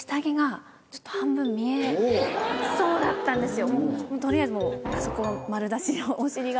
半分見えそうだったんですよ。